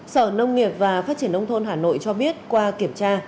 sở nông nghiệp và phát triển nông thôn hà nội cho biết qua kiểm tra